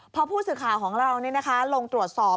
พอผู้สื่อข่าวของเราลงตรวจสอบ